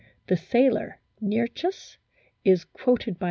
The sailor, Nearchus, is quoted by M.